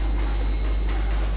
dạ chị sợ lắm rồi